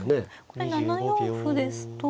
これ７四歩ですと。